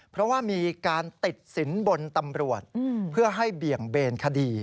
เพราะว่ามีการติดสินบนตำรวจเพื่อให้เบี่ยงเบนคดี